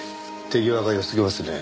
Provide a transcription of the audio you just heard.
手際がよすぎますね。